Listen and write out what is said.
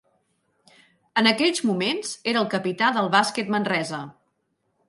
En aquells moments era el capità del Bàsquet Manresa.